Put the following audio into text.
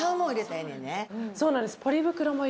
そうなんです。